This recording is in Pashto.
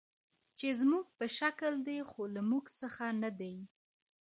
چې زموږ په شکل دي، خو له موږ څخه نه دي.